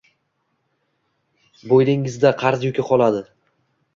Bo‘yningizda qarz yuki qoladi.